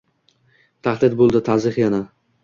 Tahdid boʼldi, taʼziyq yana